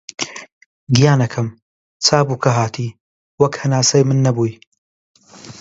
گیانەکەم! چابوو کە هاتی، وەک هەناسەی من نەبووی